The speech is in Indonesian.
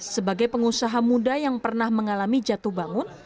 sebagai pengusaha muda yang pernah mengalami jatuh bangun